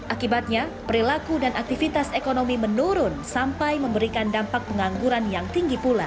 akibatnya perilaku dan aktivitas ekonomi menurun sampai memberikan dampak pengangguran yang tinggi pula